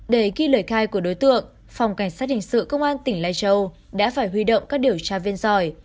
để ghi lời khai của đối tượng phòng cảnh sát hình sự công an tỉnh lai châu đã phải huy động các điều tra viên giỏi